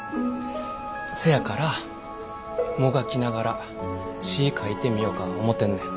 せやからもがきながら詩ぃ書いてみよか思てんねん。